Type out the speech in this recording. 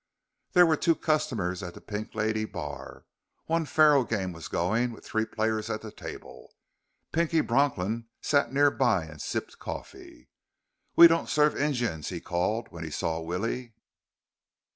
There were two customers at the Pink Lady bar. One faro game was going with three players at the table. Pinky Bronklin sat nearby and sipped coffee. "We don't serve Injuns!" he called when he saw Willie.